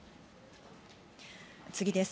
次です。